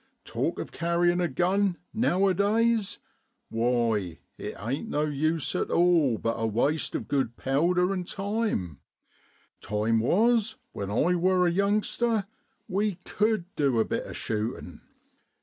Talk of carryin' a gun noii'adays, why, it ain't no use at all, but a waste of good powder an' time time JUNE IN BROADLAND. 61 was when I wor a youngster, we cud du a bit of shootin'.